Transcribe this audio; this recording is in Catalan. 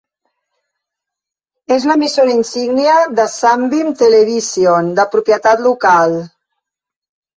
És l'emissora insígnia de Sunbeam Television, de propietat local.